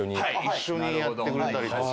一緒にやってくれたりとか。